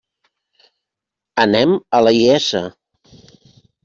Anem a la Iessa.